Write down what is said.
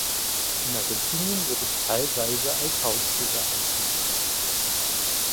In Argentinien wird es teilweise als Haustier gehalten.